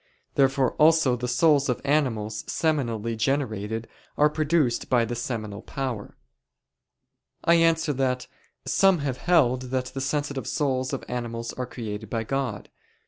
Therefore also the souls of animals seminally generated are produced by the seminal power. I answer that, Some have held that the sensitive souls of animals are created by God (Q.